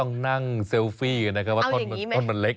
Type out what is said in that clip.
ก็ต้องนั่งเซลฟีกันนะครับ